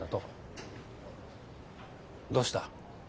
どうした？